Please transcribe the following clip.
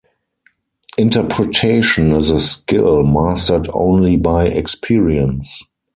Interpretation is a skill mastered only by experience.